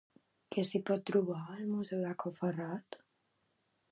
Què s'hi pot trobar al Museu de Cau Ferrat?